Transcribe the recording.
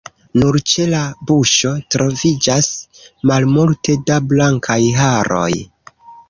Nur ĉe la buŝo troviĝas malmulte da blankaj haroj.